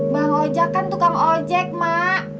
bang ojek kan tukang ojek mak